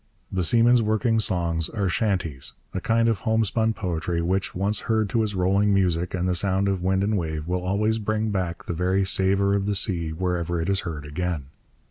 The seaman's working songs are chanties, a kind of homespun poetry which, once heard to its rolling music and the sound of wind and wave, will always bring back the very savour of the sea wherever it is heard again.